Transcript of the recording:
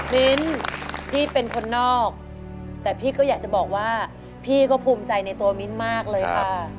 มิ้นพี่เป็นคนนอกแต่พี่ก็อยากจะบอกว่าพี่ก็ภูมิใจในตัวมิ้นมากเลยค่ะ